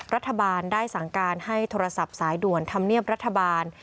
รัฐบาลได้สั่งการให้โทรศัพท์สายด่วนธรรมเนียบรัฐบาล